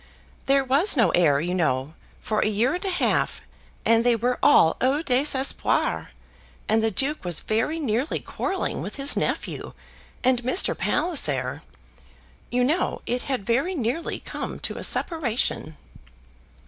"There was no heir, you know, for a year and a half, and they were all au désespoir; and the Duke was very nearly quarrelling with his nephew; and Mr. Palliser ; you know it had very nearly come to a separation."